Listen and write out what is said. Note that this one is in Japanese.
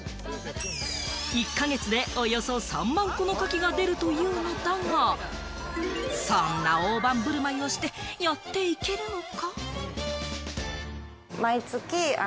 １か月でおよそ３万個のカキが出るというのだが、そんな大盤振る舞いをしてやっていけるのか？